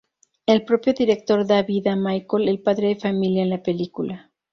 El propio director da vida a Michael, el padre de familia, en la película.